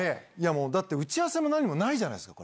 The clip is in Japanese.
だって打ち合わせも何もないじゃないですか。